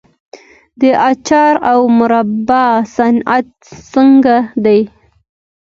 د اچار او مربا صنعت څنګه دی؟